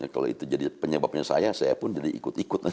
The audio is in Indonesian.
kalau itu jadi penyebabnya saya saya pun jadi ikut ikut